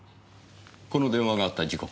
この電話があった時刻は？